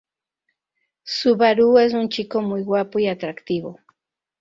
Subaru es un chico muy guapo y atractivo.